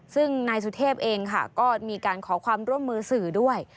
ซึ่งนายสุเทพเองค่ะก็มีการขอความร่วมมือสื่อด้วย